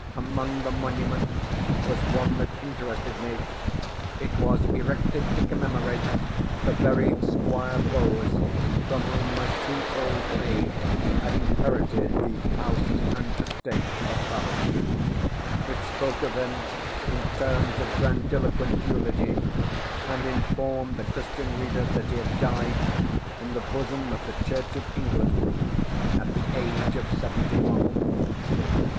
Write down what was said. Among the monuments was one that interested me; it was erected to commemorate the very Squire Bowes from whom my two old maids had inherited the house and estate of Barwyke. It spoke of him in terms of grandiloquent eulogy, and informed the Christian reader that he had died, in the bosom of the Church of England, at the age of seventy one.